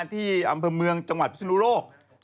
ที่อำเภอเมืองจังหวัดพิศนุโลก